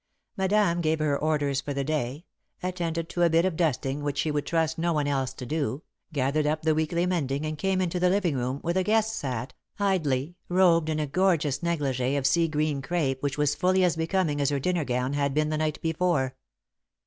Madame gave her orders for the day, attended to a bit of dusting which she would trust no one else to do, gathered up the weekly mending and came into the living room, where the guest sat, idly, robed in a gorgeous negligée of sea green crêpe which was fully as becoming as her dinner gown had been the night before.